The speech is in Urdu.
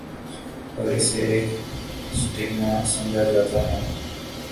اور اسے ایک سٹیگما سمجھا جاتا ہے۔